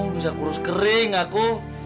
bisa kurus kering aku